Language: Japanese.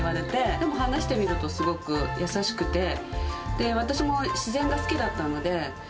でも、話してみると、すごく優しくて、私も自然が好きだったので。